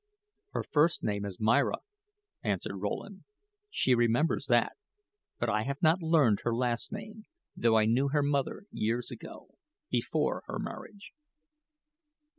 "Her first name is Myra," answered Rowland. "She remembers that; but I have not learned her last name, though I knew her mother years ago before her marriage."